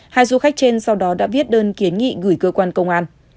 hai du khách trên sau đó đã viết đơn kiến nghị gửi cơ quan công an